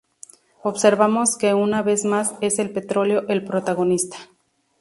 Observamos que una vez más es el petróleo el protagonista.